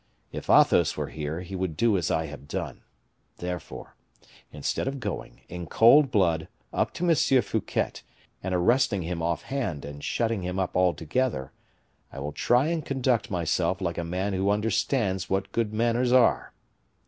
If Athos were here, he would do as I have done. Therefore, instead of going, in cold blood, up to M. Fouquet, and arresting him off hand and shutting him up altogether, I will try and conduct myself like a man who understands what good manners are.